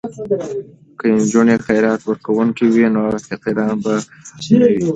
که نجونې خیرات ورکوونکې وي نو فقیران به نه وي.